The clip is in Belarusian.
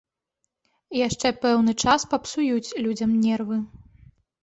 Яшчэ пэўны час папсуюць людзям нервы.